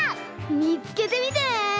みつけてみてね！